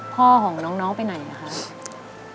พ่อของน้องไปไหนอะครับ